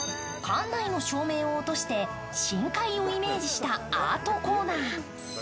館内の照明を落として深海をイメージしたアートコーナー。